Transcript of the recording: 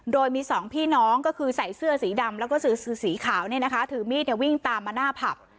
โดยมีสองพี่น้องก็คือใส่เสื้อสีดำแล้วก็สีขาวเนี่ยนะคะถือมีดวิ่งตามมาหน้าผับ